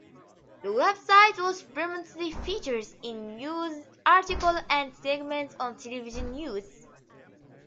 The web site was prominently featured in news articles and segments on television news.